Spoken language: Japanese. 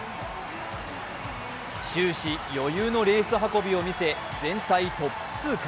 終始余裕のレース運びを見せ、全体トップ通過。